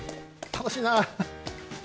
楽しいな。